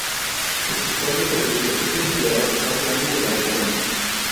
El sector de servicio es el empleador más grande de la región.